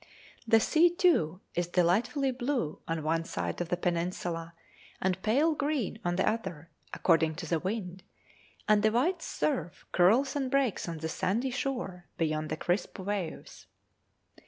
The sea, too, is delightfully blue on one side of the peninsula, and pale green on the other, according to the wind, and the white surf curls and breaks on the sandy shore beyond the crisp waves.